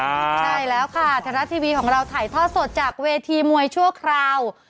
ใช่แล้วค่ะไทยรัฐทีวีของเราถ่ายทอดสดจากเวทีมวยชั่วคราว